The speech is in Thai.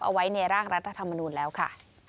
เอาไว้ในร่างรัฐธรรมนูลแล้วค่ะ